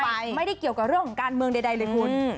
ไม่ได้เกี่ยวกับเรื่องของการเมืองใดเลยคุณ